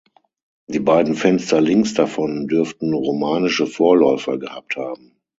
Die beiden Fenster links davon dürften romanische Vorläufer gehabt haben.